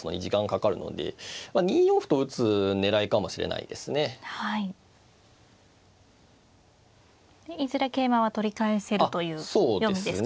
いずれ桂馬は取り返せるという読みですか。